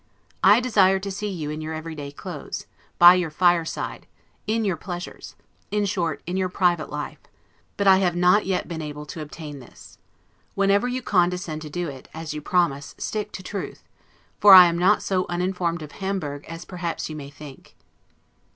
I desire to see you in your every day clothes, by your fireside, in your pleasures; in short, in your private life; but I have not yet been able to obtain this. Whenever you condescend to do it, as you promise, stick to truth; for I am not so uninformed of Hamburg as perhaps you may think.